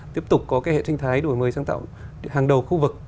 tiếp tục có cái hệ sinh thái đổi mới sáng tạo hàng đầu khu vực